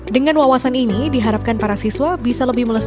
dengan wawasan ini diharapkan para siswa bisa lebih melestari